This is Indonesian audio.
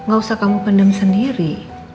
gak usah kamu pendem sendiri